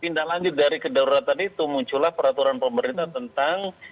tindak lanjut dari kedaruratan itu muncullah peraturan pemerintah tentang